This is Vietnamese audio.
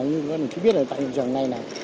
như bác đồng chí biết là tại trường này này